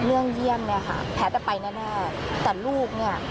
เรื่องเยี่ยมแพทย์จะไปแน่แต่ลูกเนี่ย